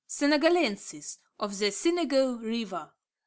Senegalensis_ of the Senegal river.